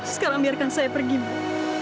sekarang biarkan saya pergi bu